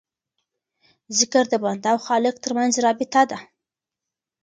ذکر د بنده او خالق ترمنځ رابطه ده.